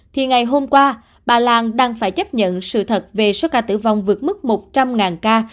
thì ngày hôm qua bà lan đang phải chấp nhận sự thật về số ca tử vong vượt mức một trăm linh ca